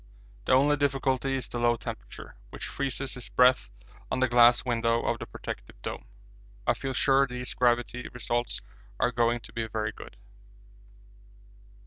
The only difficulty is the low temperature, which freezes his breath on the glass window of the protecting dome. I feel sure these gravity results are going to be very good.